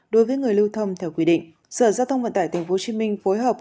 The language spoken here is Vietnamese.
đối với người lưu thông theo quy định sở giao thông vận tải tp hcm phối hợp